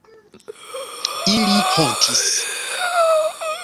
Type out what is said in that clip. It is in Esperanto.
Ili hontis.